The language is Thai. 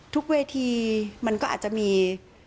ทุกเวทีมันก็อาจจะมี